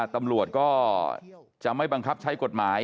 ตำรวจก็จะไม่บังคับใช้กฎหมาย